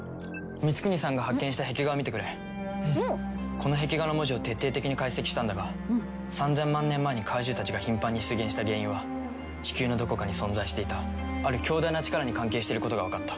この壁画の文字を徹底的に解析したんだが３，０００万年前に怪獣たちが頻繁に出現した原因は地球のどこかに存在していたある強大な力に関係していることがわかった。